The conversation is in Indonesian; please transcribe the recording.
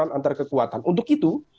antar kekuatan untuk itu